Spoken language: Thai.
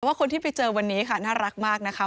ว่าคนที่ไปเจอวันนี้ค่ะน่ารักมากนะคะ